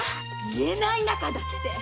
言えない仲だって！